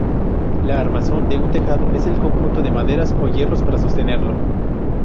La armazón de un tejado es el conjunto de maderas o hierros para sostenerlo.